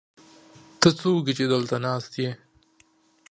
ته څوک يې، چې دلته ناست يې؟